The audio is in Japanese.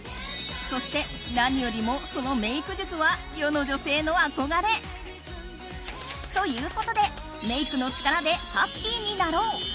そして何よりもそのメイク術は世の女性の憧れ。ということでメイクの力でハッピーになろう。